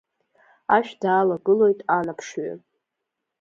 Ашә даалагылоит Анаԥшҩы.